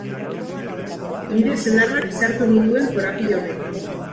Nire senarrak sartu ninduen korapilo honetan.